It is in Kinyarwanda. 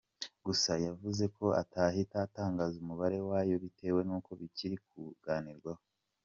Gusa yavuze ko atahita atangaza umubare wayo bitewe n’uko bikiri kuganirwaho.